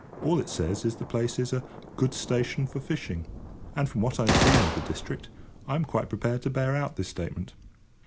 All it says is the place is "a good station for fishing;" and, from what I have seen of the district, I am quite prepared to bear out this statement.